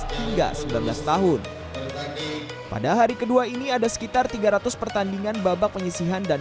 hingga sembilan belas tahun pada hari kedua ini ada sekitar tiga ratus pertandingan babak penyisihan dan